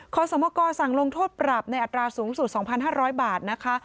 ขอสมกสั่งลงโทษปรับในอัตราสูงสุด๒๕๐๐บาทนะคะ